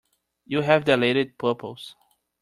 You have dilated pupils.